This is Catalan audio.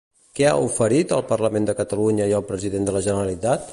Què ha oferit al Parlament de Catalunya i al president de la Generalitat?